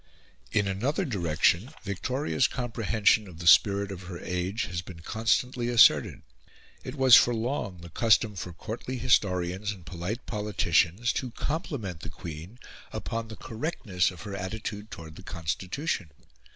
In another direction Victoria's comprehension of the spirit of her age has been constantly asserted. It was for long the custom for courtly historians and polite politicians to compliment the Queen upon the correctness of her attitude towards the Constitution.